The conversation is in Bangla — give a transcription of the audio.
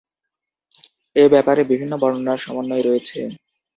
এ ব্যাপারে বিভিন্ন বর্ণনার সমন্বয় রয়েছে।